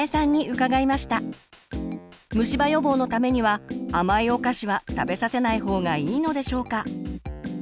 虫歯予防のためには甘いお菓子は食べさせない方がいいのでしょうか。